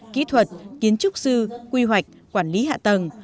kỹ thuật kiến trúc sư quy hoạch quản lý hạ tầng